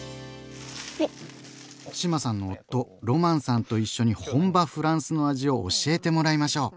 志麻さんの夫ロマンさんと一緒に本場フランスの味を教えてもらいましょう。